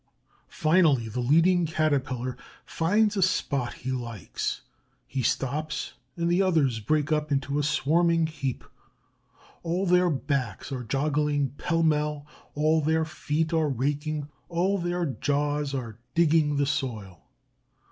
Finally the leading Caterpillar finds a spot he likes; he stops, and the others break up into a swarming heap. All their backs are joggling pell mell; all their feet are raking; all their jaws are digging the soil.